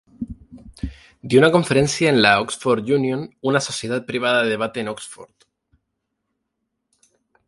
Dio una conferencia en la "Oxford Union", una sociedad privada de debate en Oxford.